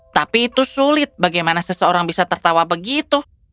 tapi itu sulit bagaimana seseorang bisa tertawa begitu